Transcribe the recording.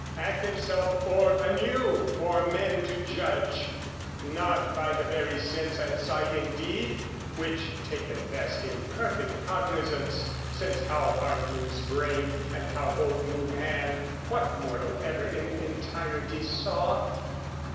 Act itself o'er anew for men to judge, Not by the very sense and sight indeed (Which take at best imperfect cognisance, Since, how heart moves brain, and how both move hand, What mortal ever in entirety saw?)